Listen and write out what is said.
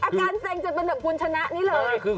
อาการเซ็งจะเป็นแบบคุณชนะนี่เลย